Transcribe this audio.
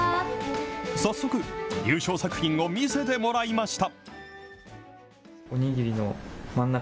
早速、優勝作品を見せてもらいました。